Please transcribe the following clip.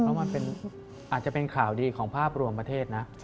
เพราะมันอาจจะเป็นข่าวดีของภาพรวมประเทศนะ